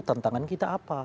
tentangan kita apa